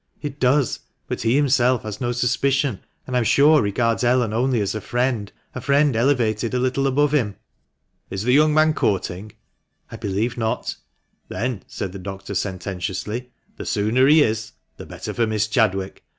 " It does ; but he himself has no suspicion, and I am sure regards Ellen only as a friend — a friend elevated a little above him." " Is the young man courting ? 3g2 YHB MANCHESTER MAN. "I believe not." " Then," said the doctor, sententiously, " the sooner he is, the better for Miss Chadwick.